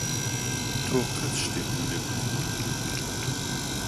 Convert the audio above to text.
تۆ قەت شتێکت نەگوت.